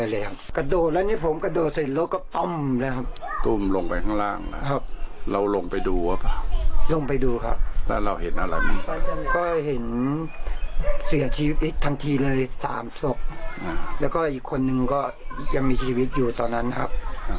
แล้วก็อีกคนนึงก็ยังมีชีวิตอยู่ตอนนั้นครับ